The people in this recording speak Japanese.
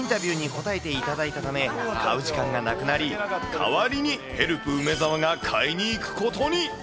しかし、インタビューに応えていただいたため、買う時間がなくなり、代わりにヘルプ梅澤が買いに行くことに。